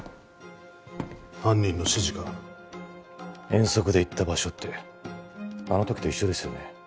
犯人の指示か遠足で行った場所ってあの時と一緒ですよね